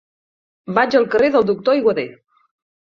Vaig al carrer del Doctor Aiguader.